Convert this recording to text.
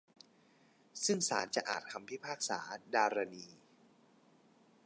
ซึ่งศาลจะอ่านคำพิพากษาดารณี